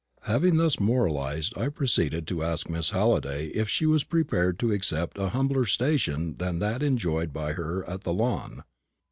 Having thus moralized, I proceeded to ask Miss Halliday if she was prepared to accept a humbler station than that enjoyed by her at the Lawn.